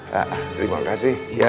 terima kasih ya